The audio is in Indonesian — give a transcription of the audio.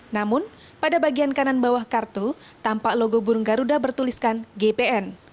namun pada bagian kanan bawah kartu tampak logo burung garuda bertuliskan gpn